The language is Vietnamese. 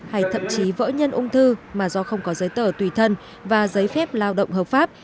hay thậm chí vỡ nhân ung thư mà do không có giấy tờ tùy thân và giấy phép lao động hợp pháp